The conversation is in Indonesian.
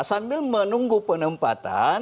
sambil menunggu penempatan